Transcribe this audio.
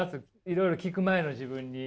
いろいろ聞く前の自分に。